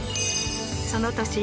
その年